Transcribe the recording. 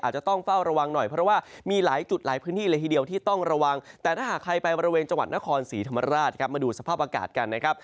จังหวัดนครศรีธรรมราชมาดูสภาพอากาศกัน